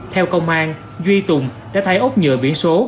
theo công an duy tùng đã thay ốc nhựa biển số